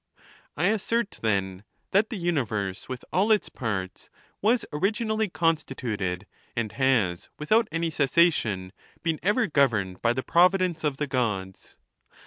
XXX. I assert, then, that the universe, with all its parts, was originally constituted, and has, without any cessation, been ever governed by the providence of the Gods.